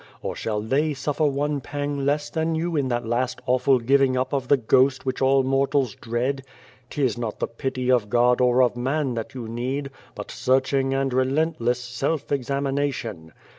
Or shall they suffer one pang less than you in that last awful giving up of the ghost which all mortals dread ? Tis not the pity of God or of man that you need, but searching and relentless self examination.